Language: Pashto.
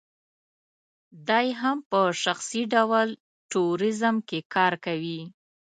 دی هم په شخصي ډول ټوریزم کې کار کوي.